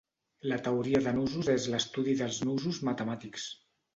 La teoria de nusos és l'estudi dels nusos matemàtics.